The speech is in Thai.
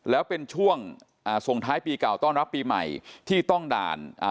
แล้วเป็นช่วงอ่าส่งท้ายปีเก่าต้อนรับปีใหม่ที่ต้องด่านอ่า